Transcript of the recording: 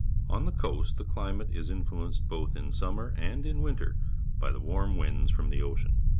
Onthe coast the climate is influenced both in summer and in winter by the warm winds from the ocean.